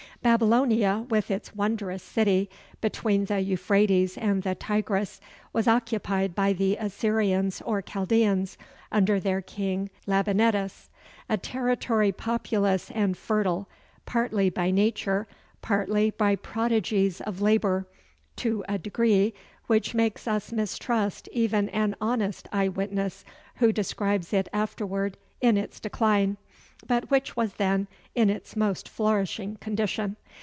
Babylonia, with its wondrous city, between the Uphrates and the Tigris, was occupied by the Assyrians or Chaldæans, under their king Labynetus: a territory populous and fertile, partly by nature, partly by prodigies of labor, to a degree which makes us mistrust even an honest eye witness who describes it afterward in its decline but which was then in its most flourishing condition.